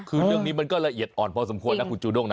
คือเรื่องนี้มันก็ละเอียดอ่อนพอสมควรนะคุณจูด้งนะ